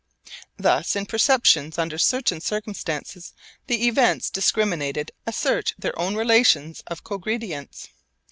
Thus in perceptions under certain circumstances the events discriminated assert their own relations of cogredience.